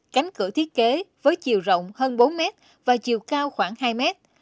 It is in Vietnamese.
cánh cửa thiết kế với chiều rộng hơn bốn mét và chiều cao khoảng hai mét